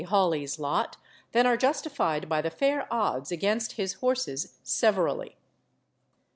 Hawley's lot than are justified by the fair odds against his horses, severally.